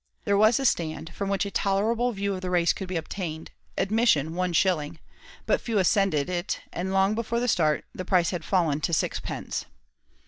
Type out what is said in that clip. There was a stand, from which a tolerable view of the race could be obtained, admission one shilling; but few ascended it, and long before the start, the price had fallen to sixpence.